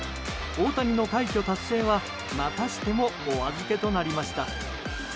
大谷の快挙達成はまたしてもお預けとなりました。